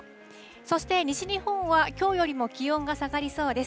そして西日本は、きょうよりも気温が下がりそうです。